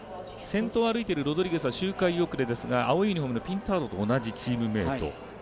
先頭を歩いているロドリゲスは周回後れですが青いユニフォームのピンタードと同じチームメート。